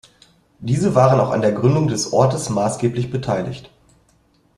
Diese waren auch an der Gründung des Ortes maßgeblich beteiligt.